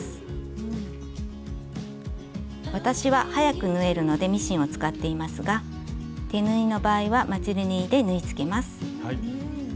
私は早く縫えるのでミシンを使っていますが手縫いの場合はまつり縫いで縫いつけます。